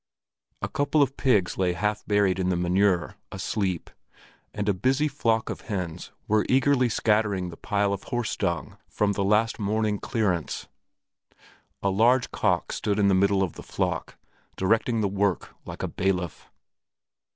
A couple of pigs lay half buried in the manure, asleep, and a busy flock of hens were eagerly scattering the pile of horse dung from the last morning clearance. A large cock stood in the middle of the flock, directing the work like a bailiff.